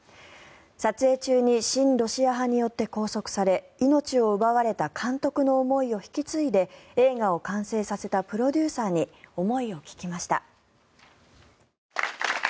撮影中に親ロシア派によって拘束され命を奪われた監督の思いを引き継いで映画を完成させたプロデューサーに思いを聞きました。